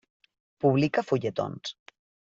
Publica fulletons.